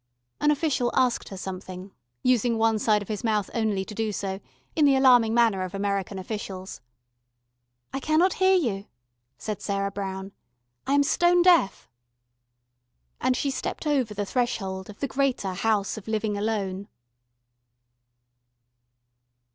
An official asked her something, using one side of his mouth only to do so, in the alarming manner of American officials. "I cannot hear you," said Sarah Brown. "I am stone deaf." And she stepped over the threshold of the greater House of Living Alone.